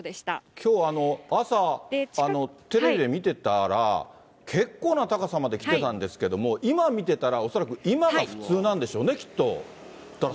きょう朝、テレビで見てたら、結構な高さまで来てたんですけども、今見てたら、恐らく今が普通なんでしょうね、きっと。